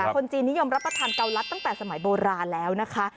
คนจีนนิยมรับประทานเกาลัดตั้งแต่สมัยโบราณแล้วนะคะ